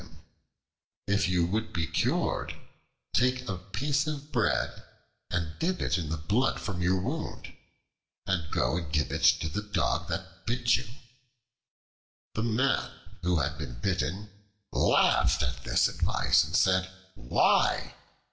A friend, meeting him and learning what he wanted, said, "If you would be cured, take a piece of bread, and dip it in the blood from your wound, and go and give it to the Dog that bit you." The Man who had been bitten laughed at this advice and said, "Why?